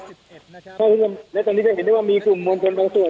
สิบเอ็ดนะครับและตอนนี้ก็เห็นได้ว่ามีกลุ่มมวลชนบางส่วน